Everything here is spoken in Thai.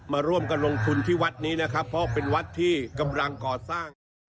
มาร่วมกันลงทุนที่วัดนี้นะครับเพราะเป็นวัดที่กำลังก่อสร้าง